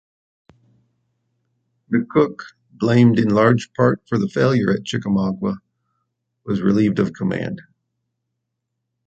McCook, blamed in large part for the failure at Chickamauga, was relieved of command.